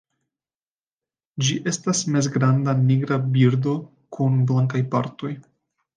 Ĝi estas mezgranda nigra birdo kun blankaj partoj.